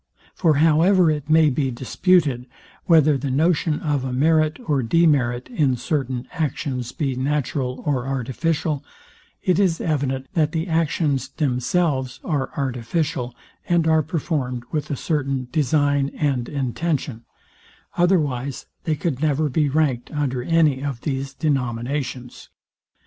For however it may be disputed, whether the notion of a merit or demerit in certain actions be natural or artificial, it is evident, that the actions themselves are artificial, and are performed with a certain design and intention; otherwise they could never be ranked under any of these denominations.